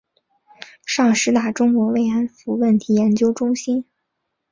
上师大中国慰安妇问题研究中心